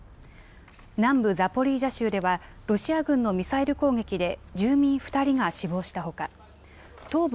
南部ザポリージャ州ではロシア軍のミサイル攻撃で住民２人が死亡したほか東部